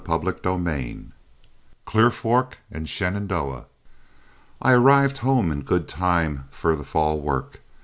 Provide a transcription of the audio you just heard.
CHAPTER XII CLEAR FORK AND SHENANDOAH I arrived home in good time for the fall work.